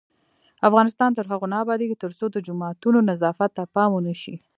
افغانستان تر هغو نه ابادیږي، ترڅو د جوماتونو نظافت ته پام ونشي.